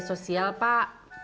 ibu ga ngerti social media pak